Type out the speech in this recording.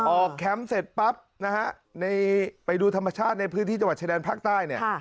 ออกแค้มเสร็จปั๊บไปดูธรรมชาติในพื้นที่จังหวัดชายแดนภาคใต้